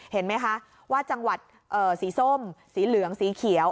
เห็นไหมคะว่าจังหวัดสีส้มสีเหลืองสีเขียว